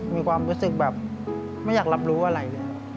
มีความรู้สึกแบบไม่อยากรับรู้อะไรเลย